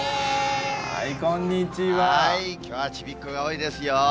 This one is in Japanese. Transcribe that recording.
きょうはちびっこが多いですよ。